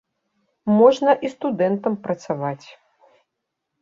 Можна і студэнтам працаваць.